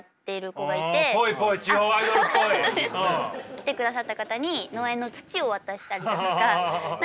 来てくださった方に農園の土を渡したりだとか。